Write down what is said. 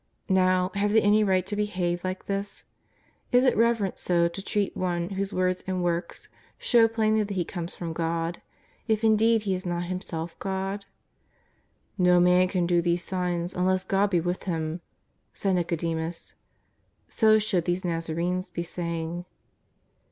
I^ow, have they any right to behave like this ? Is it reverent so to treat One whose words and works show plainly that He comes from God, if indeed He is not Himself God ?" ISTo man can do these signs unless God be with Him," said Nicodemus. So should these Xazarenes be saying.